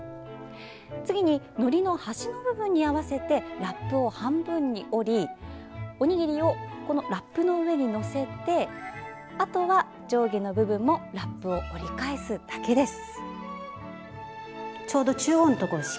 次に、のりの端の部分に合わせてラップを半分に折りおにぎりをこのラップの上に載せてあとは上下の部分もラップを折り返すだけです。